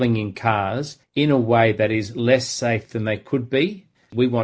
dengan cara yang lebih tidak aman daripada yang mungkin